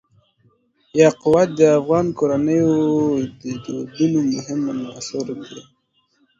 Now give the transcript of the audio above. یاقوت د افغان کورنیو د دودونو مهم عنصر دی.